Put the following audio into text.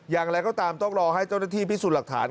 อย่างไรก็ตามต้องรอให้เจ้าหน้าที่พิสูจน์หลักฐาน